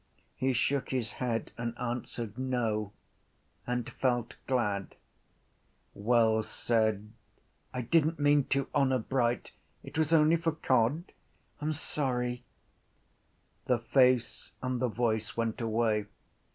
He shook his head and answered no and felt glad. Wells said: —I didn’t mean to, honour bright. It was only for cod. I’m sorry. The face and the voice went away.